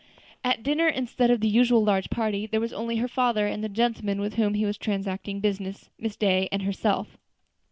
At dinner, instead of the usual large party, there were only her father and the gentleman with whom he was transacting business, Miss Day, and herself.